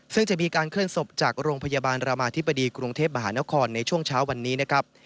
ซึ่งจะมีการเคลื่อนศพจากโรงพยาบาลรามาธิบดีกรุงเทพมหานครในช่วงเช้าวันนี้นะครับ